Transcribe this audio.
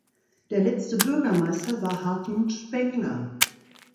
Der letzte Bürgermeister war Hartmut Spengler.